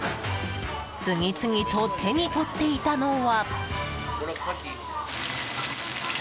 次々と手に取っていたのは。